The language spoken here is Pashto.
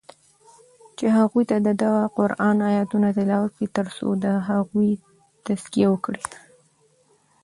چی هغوی ته ددغه قرآن آیتونه تلاوت کړی تر څو د هغوی تزکیه وکړی